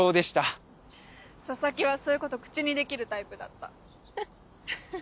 佐々木はそういうこと口にできるタイプだった。